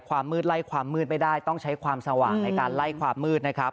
ความมืดไล่ความมืดไม่ได้ต้องใช้ความสว่างในการไล่ความมืดนะครับ